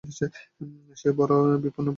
সে বড় বিপন্নবোধ করিতেছিল।